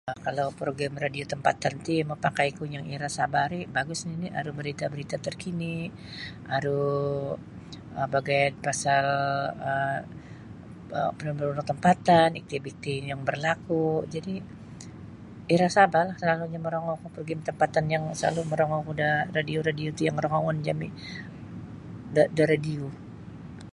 Kalau progrim radio tampatan ti mapakaiku yang Era Sabah ri bagus nini' aru barita-barita tarkini aru um bagayad pasal um aru fenomena tampatan aktiviti yang barlaku' jadi' Era Sabahlah salalunyo morongouku progrim tampatan yang salalu' morongou ko da radio-radio ti yang rongouon jami' da radio.